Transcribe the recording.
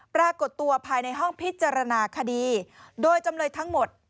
ปรากฏตัวภายในห้องพิจารณาคดีโดยจำเลยทั้งหมด